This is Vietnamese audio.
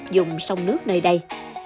dùng sông nước nơi đây